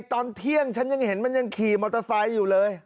ตอนเที่ยงฉันยังเห็นมันยังขี่มอเตอร์ไซค์อยู่เลย